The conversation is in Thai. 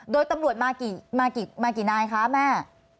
โดยตำรวจมากี่นายคะแม่